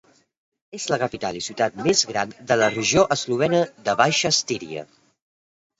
És la capital i ciutat més gran de la regió eslovena de la Baixa Estíria.